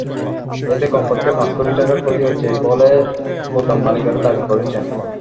এতে কমপক্ষে পাঁচ কোটি টাকার ক্ষতি হয়েছে বলে গুদাম মালিকেরা দাবি করেছেন।